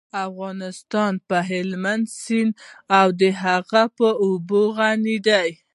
افغانستان په هلمند سیند او د هغې په اوبو غني دی.